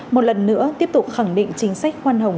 một lần nữa tiếp tục khẳng định chính sách khoan hồng